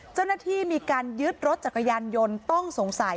เจ้าหน้าที่มีการยึดรถจักรยานยนต์ต้องสงสัย